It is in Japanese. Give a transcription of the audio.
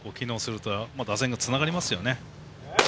やはり、８番で機能すると打線がつながりますよね。